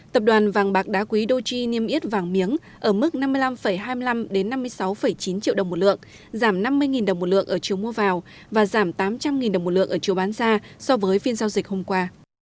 tập đoàn vàng bạc đá quý doji niêm yết vàng miếng ở mức năm mươi năm hai mươi năm năm mươi sáu chín triệu đồng một lượng giảm năm mươi đồng một lượng ở chiều mua vào và giảm tám trăm linh đồng một lượng ở chiều bán ra so với phiên giao dịch hôm qua